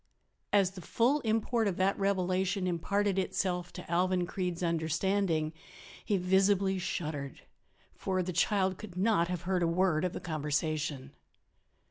As the full import of that revelation imparted itself to Alvan Creede's understanding he visibly shuddered. For the child could not have heard a word of the conversation.